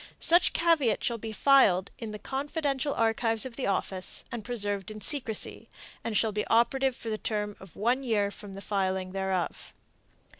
Such caveat shall be filed in the confidential archives of the office and preserved in secrecy, and shall be operative for the term of one year from the filing thereof.